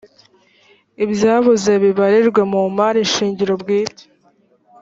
ibyabuze bibarirwe mu mari shingiro bwite